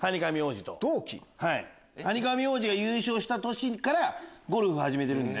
ハニカミ王子が優勝した年からゴルフ始めてるんで。